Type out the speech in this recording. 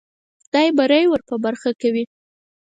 خدای بری ور په برخه کوي.